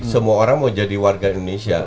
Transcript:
semua orang mau jadi warga indonesia